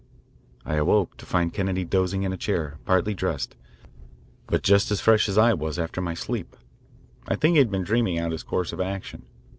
I awoke to find Kennedy dozing in a chair, partly dressed, but just as fresh as I was after my sleep. I think he had been dreaming out his course of action.